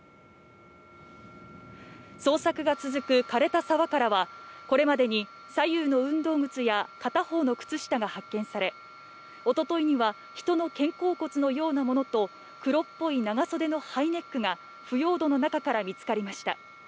捜索が続くかれた沢からは、これまでに左右の運動靴や、片方の靴下が発見され、おとといには人の肩甲骨のようなものと、黒っぽい長袖のハイネックが、腐葉土の中から見つかりました。